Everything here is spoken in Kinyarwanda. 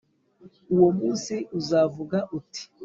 Uwo munsi uzavuga uti